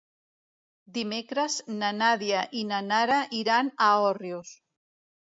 Dimecres na Nàdia i na Nara iran a Òrrius.